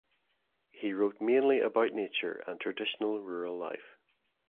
He wrote mainly about nature and traditional rural life.